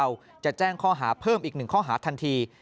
คุณภาษาธรรมชำราวจะแจ้งข้อหาเพิ่มอีก๑ข้อหาทันที